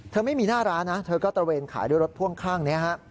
ไม่มีหน้าร้านนะเธอก็ตระเวนขายด้วยรถพ่วงข้างนี้ฮะ